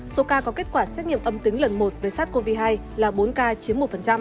số ca có kết quả xét nghiệm âm tính lần một với sars cov hai là bốn ca chiếm một